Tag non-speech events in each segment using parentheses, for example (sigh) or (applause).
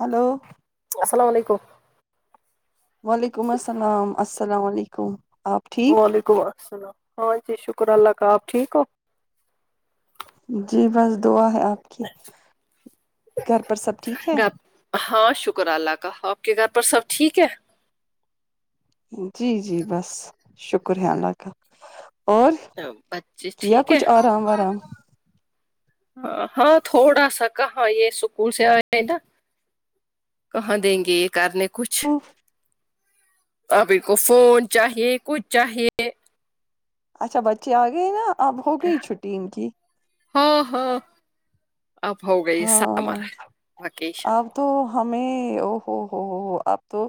hello السلام علیکم وعلیکم السلام السلام علیکم آپ ٹھیک وعلیکم السلام ہاں جی شکر اللہ کا ااب ٹھیک ہو جی بس دعا ہے اپ کی گھر پر سب ٹھیک ہے گھر- ہاں شکر اللہ کا اپ کے گھر پر سب ٹھیک ہے جی جی بس شکر ہے اللہ کا اور بچے کیا ٹھیک ہے کچھ ارام ورام ہاں ہاں تھوڑا سا کہاں یہ سکول سے ایا نا کہاں دیں گے یہ کرنے کچھ اف ابھی کو فون چاہیے کچھ چاہیے اچھا بچے اگئے نا اب ہو گئی چھٹی ان کی ہاں ہاں اب ہو گئی ہاں سامر وکیش اب تو ہمیں او ہو ہو ہو ہو اب تو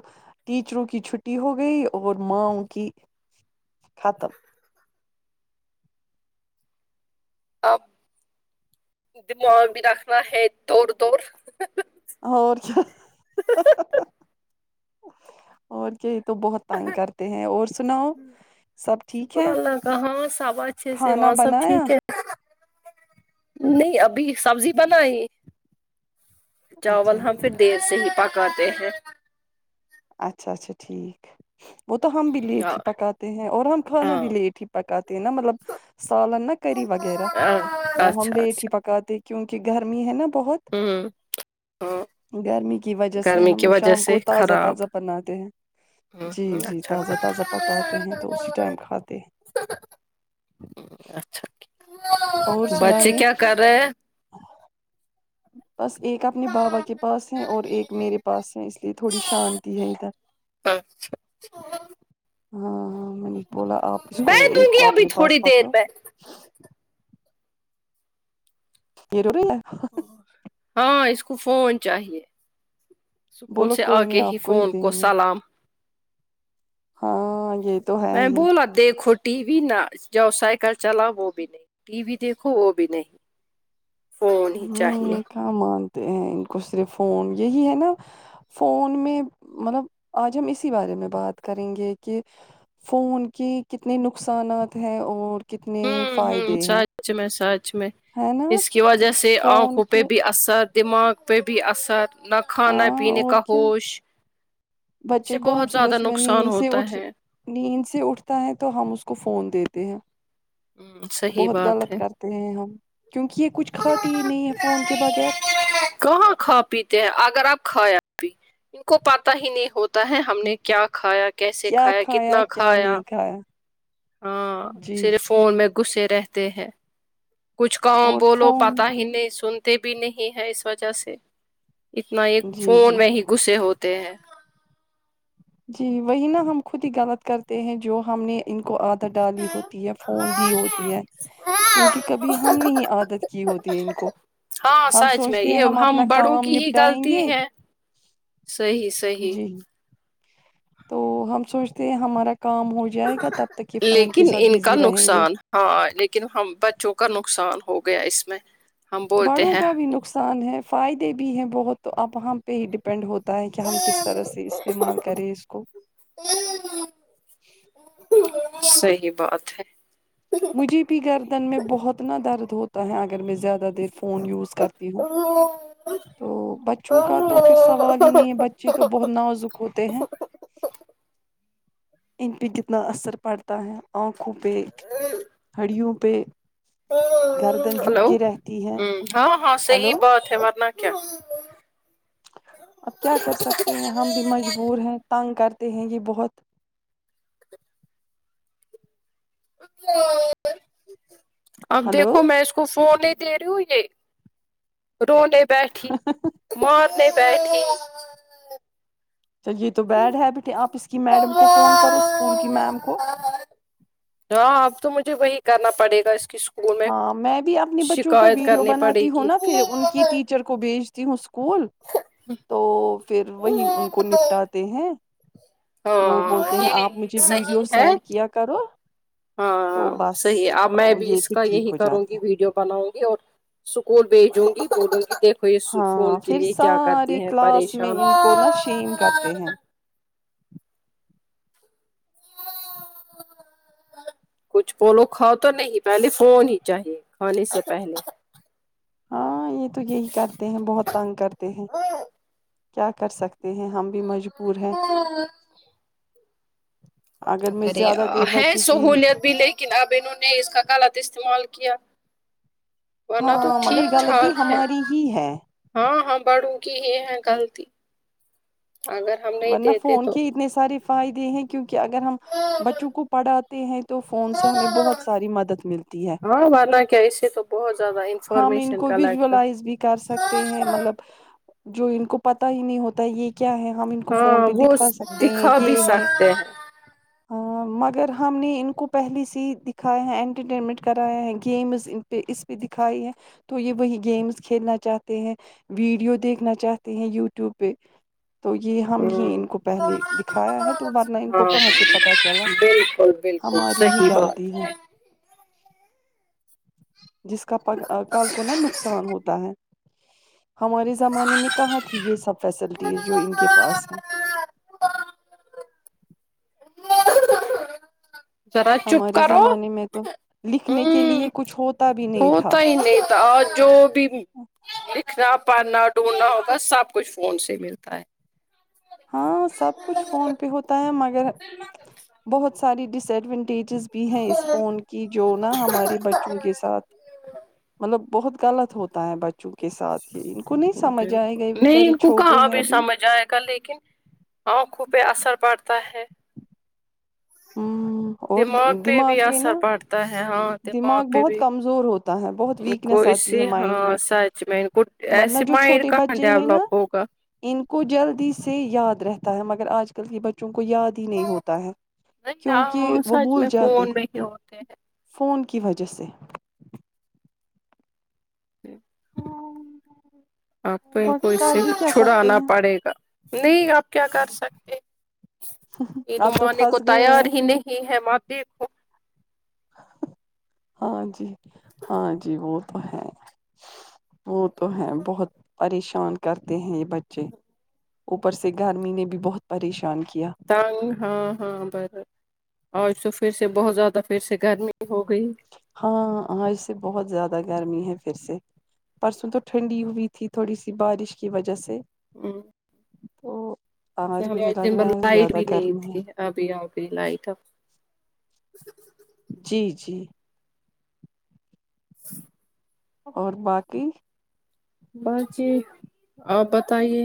ٹیچروں کی چھٹی ہو گئی اور ماؤ کی ختم اپ دماغ بھی رکھنا ہے دوور دوور اور چ اور یہی تو بہت تنگ کرتے ہیں اور سناؤ سب ٹھیک شکر ہے اللہ کا ہاں سب اچھے سے کھانا وہاں سب بنایا ٹھیک ہے نہیں ابھی سبزی بناائی چاول اچھا ہم پھر دیر سے ہی پکاتے ہیں اچھا اچھا ٹھیک وہ تو ہم بھی لیٹ ہاں ہی پکاتے ہیں اور ہم کھانا ہاں بھی لیٹ ہی پکاتے ہیں نا مطلب سالن نہ کرری وغیرہ وہ ہم اچھا لیٹ ہی اچھا پکاتے ہے کیونکہ گرمی ہے نا بہت ہوں ہوں گرمی کی وجہ سے گرمی کی ہم وجہ شام سے کو تازہ خراب تازہ بناتے ہیں ہوں جی ہوں جی اچھا تازہ کرتے تازہ پکاتے ہیں تو اسی ٹائم کھاتے ہیں اچھا اور بچے سنائیے کیا کر رہے ہیں بس ایک اپنے بابا کے پاس ہے اور ایک میرے پاس ہے اس لیے تھوڑی شانتی ہے ادھر اچھا اچھا ہاں ہاں میں نے بولا آپ اس کو دوں ایک گی کو ابھی اپنے پاس تھوڑی دیر پکڑو میں یرور ل ہاں اس کو فون چاہیے اسکول بولو سے آ کوئی نہیں کے ہی آپ فون دیں کو گے سلام ہاں یہ تو ہے میں ہی بولا دیکھو ٹیوی نہ جاؤ سائیکل چلاو وہ بھی نہیں ٹی وی دیکھو وہ بھی نہیں فون ہی چاہیے نہیں کہاں مانتے ہیں ان کو صرف فون یہی ہے نا فون میں مطلب آج ہم اسی بارے میں بات کریں گے کی فون کی کتنے نقصانات ہیں اور کتنے ہوں ہوں فائدے ہیں سچ میں سچ میں ہے نا اس کی وجہ سے فون آنکھوں پہ کے بھی اثر دماغ پہ بھی اثر نہ کھانا ہاں پیننے اور کا کیا ہوش اس سے بچے کو ہم بہت صبح زیادہ صبح نقصان نیند سے ہوتا اٹھ ہے نیند سے اٹھتا ہے تو ہم اس کو فون دیتے ہیں ہ صحیح بہت بات غلط ہے کر ہم کیونکہ یہ کچھ کھاتے ہی نہیں ہے فون کے بغیر کہاں کھا پیتے ہیں اگر آپ کھایں ان کو پتا ہی نہیں ہوتا ہے ہم نے کیا کھایا کیسے کیا کھایا کتنا کیا کھایا نہیں ہاں جی جی صرف فون میں گسے رہتے ہیں کچھ کہوں اور بولو فون پتا ہی نہیں سنتے بھی نہیں ہے اس وجہ سے اتنا ایک جی جی فون میں ہی گھسے ہوتے ہیں جی وہی نہ ہم خود ہی غلط کرتے ہیں جو ہم نے ان کو عادت ڈالی ہوتی ہے فون دی ہوتی ہے کیونکہ کبھی ہم نہیں عادت کی ہوتی ہے ان کو ہاں ہم سچ میں سوچتے ہیں یہ ہم اپنا بڑوں کام کی ہی نپٹائیں غلطی گے ہے صیح صیح جی تو ہم سوچتے ہیں ہمارا کام ہو جائے گا تب تک یہ فون کے لیکن ساتھ ان کا بزی رہیں گے نقصان ہاں لیکن ہم بچوں کا نقصان ہو گیا اس میں ہم بولتے بڑوں ہیں کا بھی نقصان ہے فائدے بھی ہیں بہت تو اب ہم پہ ہی ڈپینڈ ہوتا ہے کہ ہم کس طرح سے استعمال کرے اس کو صحی بات ہے مجھے بھی گردن میں بہت نہ درد ہوتا ہے اگر میں زیادہ فون یوز کرتی ہوں تو بچوں کا تو پھر سوال ہی نہیں ہے بچے تو بہت نازک ہوتے ہیں ان پہ کتنا اثر پڑتا ہے آنکھوں پہ ہڑیوں پہ گردن جھک ہلو کے رہتی ہے ہ ہاں ہاں صحیح ہلو بات ہے ورنہ کیا اب کیا کر سکتے ہیں ہم بھی مجبور ہیں تنگ کرتے ہیں یہ بہت اب ہلو دیکھو میں اس کو فون نہیں دے رہی ہو روے رولیتا ہے ٹھیک مر لیتا ہے ٹھیک تو یہ تو بیڈ ہیبٹ ہے آپ اس کی میڈم کو فون کرو اسکول کی میم کو ہاں اب تو مجھے وہی کرنا پڑے گا اس کی ہاں میں بھی اپنے بچوں کا شکایت ویڈیو کرنی پڑے بناتی ہوں گی نا پھر ان کی ٹیچر کو بیچتی ہوں اسکول تو پھر وہی ان کو نپٹاتے ہیں وہ بولتے ہاں ہیں یہ آپ مجھے ویڈیو صحیح ہے سینڈ کیا کرو ہاں تو بس صحیح ا میں بھی یہ اس پھر کا ٹھیک یہی ہو کروں گی جاتے ہیں ویڈیو بناؤں گی اور اسکول بھیجوں گی بولوں گی دیکھ اس فون ہاں کے پھر لیے کیا کرتی سارے ہیں کلاس میں پریشان ان کو نا شیم کرتے ہیں کچھ پولو کھا تو نہیں پہلے فون ہی چاہیے کھانے سے پہلے ہاں یہ تو یہی کرتے ہیں بہت تنگ کرتے ہیں کیا کر سکتے ہیں ہم بھی مجبور ہیں اگر میں کری زیادہ دیر ہے بچے کی سہولیت بھی لیکن اب انہوں نے اس کا غلط استعمال کیا ورنہ تو ہاں مگر ٹھیک غلطی ٹھاک ہے ہماری ہی ہے ہاں ہاں بڑوں کی ہی ہے غلطی اگر ہم نہیں ورنہ دیتے فون تو کے اتنے سارے فائدے ہیں کیونکہ اگر ہم بچوں کو پڑھاتے ہیں تو فون سے ہمیں بہت ساری مدد ملتی ہے ہاں ورنہ کیا اسے تو بہت زیادہ ہم ان انفارمیشن کو کلیکٹ ویژولائز بھی کر ہیں مطلب جو ان کو پتا ہی نہیں ہوتا یہ کیا ہے ہم اس کو فون ہاں پہ وہ دکھا سکتے ہیں دکھا بھی یہ ہے سکتے ہیں مگر ہم نے ان کو پہلے سے ہی دکھایا ہیں انٹرٹینمنٹ کرایا ہے گیمز پہ اس پہ دکھائی ہے تو یہ وہی گیمس کھیلنا چاہتے ہیں ویڈیو دیکھنا چاہتے ہیں یوٹیوب پہ تو یہ ہم ہی ہمم ان کو پہلے دکھایا ہے تو ورنہ ان ہاں کو ہاں کہاں سے پتا چلا بالکل بالکل ہماری ہی صحیح غلطی بات ہے جس کا کل کو نا نقصان ہوتا ہے ہمارے زمانے میں کہاں تھی یہ سب فیسلٹیز جو ان کے پاس ہیں ذرا چپ ہمارے کرو زمانے میں تو لکھنے کے ہوں لیے کچھ ہوتا بھی نہیں تھا ہوتا ہی نہیں تھاجو ا بھی لکھنا پڑھنا ڈھونڈنا ہوگا سب کچھ فون سے ملتا ہے ہاں سب کچھ فون پہ ہوتا ہے مگر بہت ساری ڈس ایڈوونٹیجز بھی ہے اس فون کی جو نہ ہمارے بچوں کے ساتھ مطلب بہت غلط ہوتا ہے بچوں کے ساتھ ان کو نہیں سمجھ بالکل آئے گا نہیں بچارے ان کو کہاں چھوٹے ہیں ابھی ہ سمج آئے گا لیکن آنکھوں پہ اثر پڑتا ہے اور دماغ بھی پہ اثر نا پڑتا ہے ہاں دماغ پہ بہت بھی کمزور ہوتا ہے بہت ان ویک کو نس آتی ہے اسی مائنڈ ہاں میں سچ میں ان کو ورنہ ایسے جو مائنڈ چھوٹے کہاں بچے ہیں نا ڈیولپ ہوگا ان کو جلدی سے یاد رہتا ہے مگر آج کل کے بچوں کو یاد ہی نہیں ہوتا ہے نہیں کیونکہ ہاں وہ سچ بھول میں جاتے فون میں ہی ہوتے ہیں فون کی وجہ سے آپ تو ان وہ کو اس کر سے بھی کیا سکتے چھڑانا ہیں پڑے گا نہیں آپ کیا کر سکتے یہ دو آپ تو آنے کو پھنس گئے تیار ہیں ہی نہیں ہے مات ہاں جی ہاں جی وہ تو ہے وہ تو ہے بہت پریشان کرتے ہیں یہ بچے اوپر سے گرمی نے بھی بہت پریشان کیا نگ ہاں ہاں بر اورج تو پھر سے بہت زیادہ پھر سے گرمی ہو گئی ہاں آ اس سے بہت زیادہ گرمی ہے پھر سے پرسوں تو ٹھنڈی ہوئی تھی تھوڑی سی بارش کی وجہ سے ہمم او ایک تو ہمیں دن بہر لائٹ بھی نہیں گرمی ہے تھی ابھی لائٹ اب جی جی اور باقی بس جی آپ بتائیے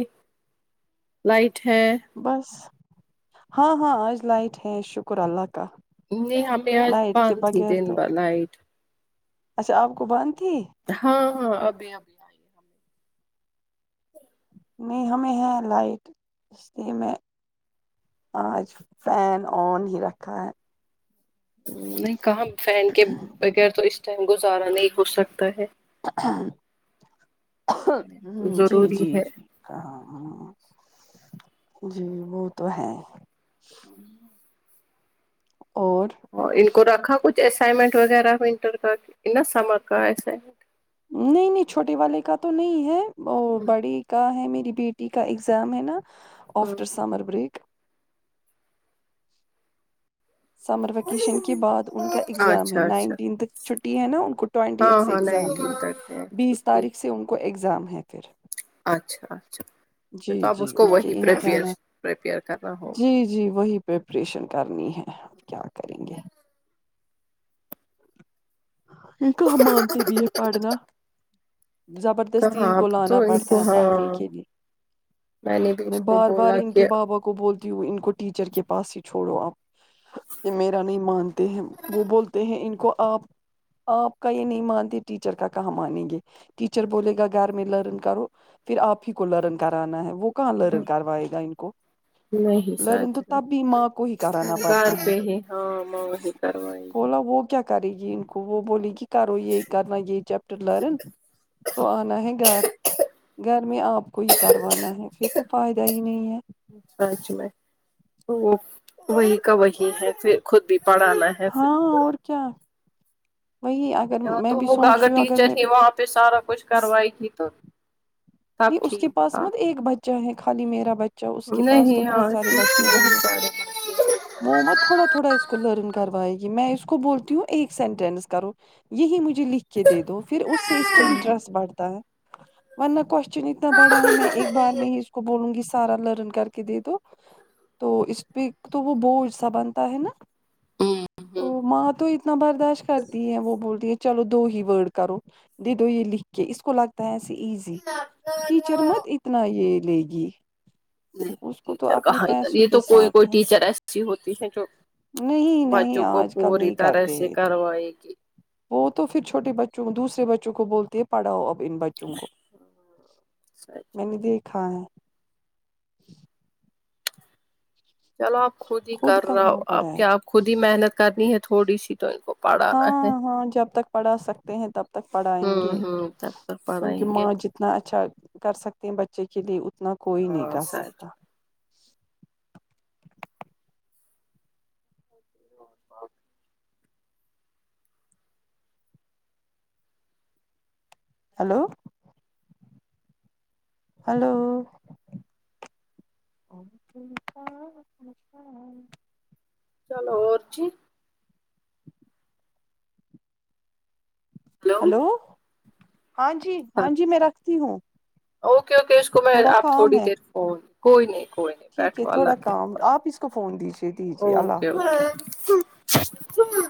لائٹ ہے بس ہاں ہاں آج لائٹ ہے شکر اللہ کا نہیں ہمیں آج لائٹ کے بند ہی بغیر دن تو بھر لائٹ اچھا آپ کو بند تھی ہاں ہاں ابھی ابھی نہیں ہمیں ہے لائٹ اسی میں آج فین آن ہی رکھا ہے نہیں کہاں فین کے بغیر تو اس ٹائم گزارا نہیں ہو سکتا ہے ہمم جی ضروری جی ہے جی ہاں ہ جی وہ تو ہے اور اور ان کو رکھا کچھ اسائنمنٹ وغیرہ ونٹر کا نا سمر کا ایسے نہیں نہیں چھوٹے والے کا تو نہیں ہے وہ بڑی کا ہے میری بیٹ ٹی کا ایگزام ہے نا after summer break summer vacation کے بعد ان کا ایگزام اچھا ہے اچھا نائنٹیتھ چھٹی ہے نا ان کو ٹیونٹیت ہاں سے ہاں ایگزام ہے نائنٹین تک ہے بیس چھٹی تاریخ سے ان کو ایگزام ہے پھر اچھا اچھا جی تو آپ جی اس کو ان کے وہی پپیئر امتحانات پریپیئر کرنا ہوگا جی جی وہی پریپریشن کرنی ہے کیا کریں گے یہ کہاں مانتے بی ہے پڑھنا زبردستی ان کہاں اب کو لانا تو ان پڑتا کو ہے پڑھنے ہاں کے لیے نے بھی میں اس کو بار بار بولا ان کے کہ بابا کو بولتی ہوں ان کو ٹیچر کے پاس ہی چھوڑو آپ یہ میرا نہیں مانتے ہیں وہ بولتے ہیں ان کو آپ آپ کا یہ نہیں مانتے ٹیچر کا کہاں مانیں گے ٹیچر بولے گا گھر میں لرن کرو پھر آپ ہی کو لرن کرانا ہے وہ کہاں لرن کروائے گا ان کو نہیں لرن سچ تو میں تب بھی ماں کو ہی کرانا گھر پڑتا ہے پہ ہی ہاں ماں وہی کروائی بولا وہ کیا کرے گی ان کو وہ بولے گی کرو یہ کرنا یہ چیپٹر لرن تو آنا ہے گھر گھر میں آپ کو ہی کروانا ہے پھر تو فائدہ ہی نہیں ہے سچ میں وہ وہی کا وہی ہے پھر خود بھی پڑھانا ہے پھر ہاں اور کیا وہی اگر یہ میں تو بھی ہوگا سوچ اگر رہی ہوں ٹیچر میں ہی وہاں پہ سارا کچھ کروائی گی تو نہیں سب اس کے ٹھیک پاس تھا مت ایک بچہ ہے خالی میرا بچہ اچھا اس کے پاس تو نہیں بہت ہاں سارے بچے ہوں بہت گے سارے وہ مت تھوڑا تھوڑا اس کو لرن کروائے گی میں اس کو بولتی ہوں ایک سینٹینس کرو یہی مجھے لکھ کے دے دو پھر اس سے اس کو انٹرسٹ بڑھتا ہے ورنہ کویشن اتنا بڑا ہے میں ایک بار میں ہی اس کو بولوں گی سارا لرن کر کے دے دو تو اس پہ تو وہ بوجھ سا بنتا ہے نا تو ہوں ماں تو اتنا برداشت کرتی ہے وہ بولتی ہے چلو دو ہی ورڈ کرو دے دو یہ لکھ کے اس کو لگتا ہے ایسے ایزی ہاں ٹیچر مت اتنا یہ لے گی نہیں اس کو تو ٹیچر اپنے کہاں ادھر پیسوں یہ کے تو کوئی کوئی ساتھ ہے ٹیچر ایسی ہوتی ہے جو نہیں نہیں بچوں کو اج کل پوری نہیں طرح کرتے سے ا د کروائے گی وہ تو پھر چھوٹے بچوں دوسرے بچوں کو بولتیں ہے پڑھاؤ اب ان بچوں کو میں نے دیکھا ہے چلو آپ خود ہی کر رہا کہاں ہو وہ آپ پڑھائے کیا گی آپ خود ہی محنت کرنی ہے تھوڑی سی تو ان کو پڑھانا ہاں ہے ہاں جب تک پڑھا سکتے ہیں تب تک پڑھائیں گے ہوں ہوں تب تک کیونکہ پڑھائیں گے ماں جت اتنا اچھا کر سکتے ہیں بچے کے لیے اتنا کوئی نہیں ہاں کر سچ سکتا اور ب ہیلو ہلو (inaudible) چلو اور جی ہلو ہاں جی ہاں جی میں رکھتی ہوں اوکے اوکے اس کو میں تھوڑا آپ کام تھوڑی ہے دیر فون کوئی نہیں کوئی نہیں ٹھیک ہے بیٹوالله تھوڑا کے کام حوالے آپ اس کو فون دیجیے دیجیے اللہ اوکے حافظ اوکے ہ